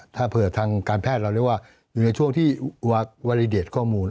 ถ้าเผื่อทางการแพทย์เราเรียกว่าอยู่ในช่วงที่วาริเดตข้อมูล